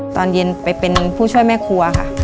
ตอนเย็นไปเป็นผู้ช่วยแม่ครัวค่ะ